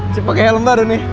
siap pake helm baru nih